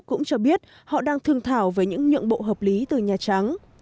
cũng cho biết họ đang thương thảo về những nhượng bộ hợp lý từ nhà trắng